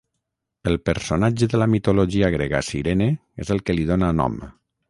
El personatge de la mitologia grega Cirene, és el que li dóna nom.